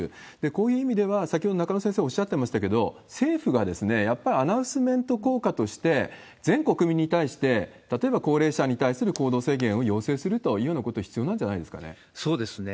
こういう意味では、先ほど中野先生おっしゃってましたけど、政府がやっぱりアナウンスメント効果として、全国民に対して、例えば高齢者に対する行動制限を要請するというようなこと、必要そうですね。